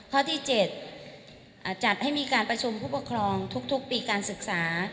ข้อที่๗จัดให้มีการประชุมผู้ปกครองทุกปีการศึกษา